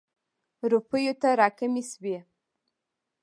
روپیو ته را کمې شوې.